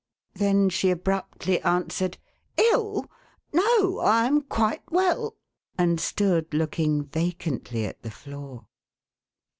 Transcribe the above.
Then she abruptly answered :" 111 ? No, I am quite well,"" and stood looking vacantly at the floor.